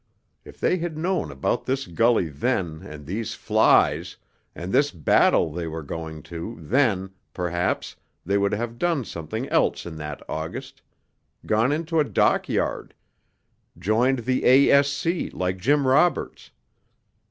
If they had known about this gully then and these flies, and this battle they were going to, then, perhaps, they would have done something else in that August ... gone into a dockyard ... joined the A.S.C. like Jim Roberts....